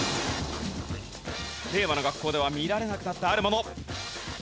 令和の学校では見られなくなったあるもの。